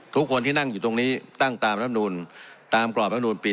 ทุกคนที่นั่งอยู่ตรงนี้ตั้งตามรับนูลตามกรอบรับนูลปี๒